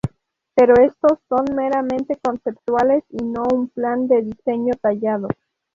Pero estos son meramente conceptuales y no un plan de diseño detallado.